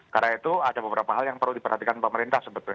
karena itu ada beberapa hal yang perlu diperhatikan pemerintah sebetulnya